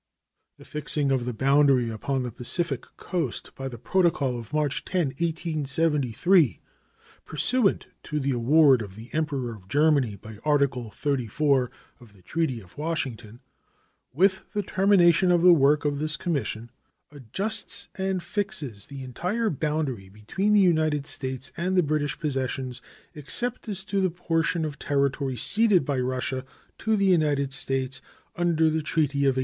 The fixing of the boundary upon the Pacific coast by the protocol of March 10, 1873, pursuant to the award of the Emperor of Germany by Article XXXIV of the treaty of Washington, with the termination of the work of this commission, adjusts and fixes the entire boundary between the United States and the British possessions, except as to the portion of territory ceded by Russia to the United States under the treaty of 1867.